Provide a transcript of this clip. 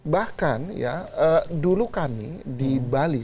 bahkan ya dulu kami di bali